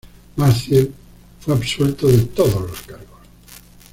Maciel fue absuelto de todos los cargos.